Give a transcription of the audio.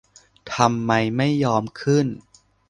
ทำไมไม่ยอมขึ้น